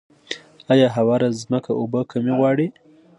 آیا هواره ځمکه اوبه کمې غواړي؟